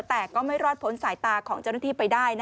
แต่ก็ไม่รอดพ้นสายตาของเจ้าหน้าที่ไปได้